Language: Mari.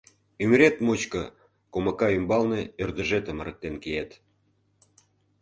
Ӱмырет мучко комака ӱмбалне ӧрдыжетым ырыктен киет.